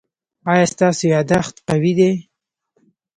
ایا ستاسو یادښت قوي دی؟